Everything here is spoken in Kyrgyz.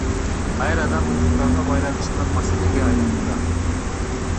Кайрадан улуттарга байланышкан маселеге айланууда.